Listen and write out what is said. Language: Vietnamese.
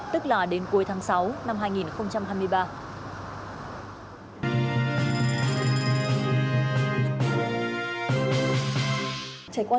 tức là đến cuối tháng sáu năm hai nghìn hai mươi ba